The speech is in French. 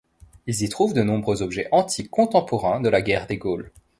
Ils y trouvent de nombreux objets antiques contemporains de la guerre des Gaules.